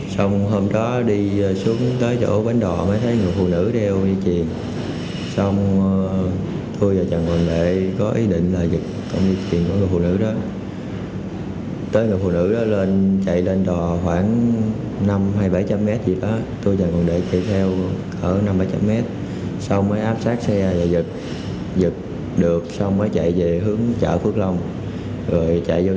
xong hôm đó đi xuống tới chỗ bánh đỏ mới thấy người phụ nữ đeo như chiều